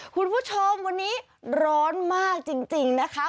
คุณผู้ชมวันนี้ร้อนมากจริงนะคะ